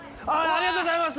ありがとうございます！